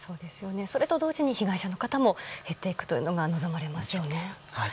それと同時に被害者の方も減っていくというのが望まれますよね。